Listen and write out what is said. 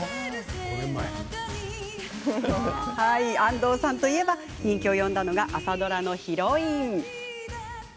安藤さんといえば人気を呼んだのが朝ドラのヒロイン。